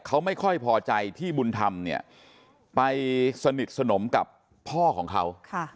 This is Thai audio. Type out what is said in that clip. เขาไม่ค่อยพอใจที่บุญธรรมเนี่ยไปสนิทสนมกับพ่อของเขา